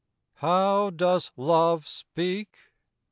How does Love speak?